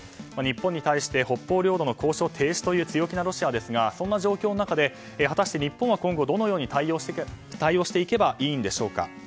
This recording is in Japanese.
日本に対して北方領土の交渉停止という強気なロシアですがそんな状況の中で果たして日本は今後どのように対応していけばいいんでしょうか。